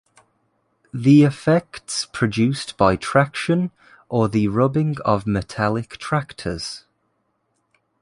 The effects produced by traction, or the rubbing of metallic tractors.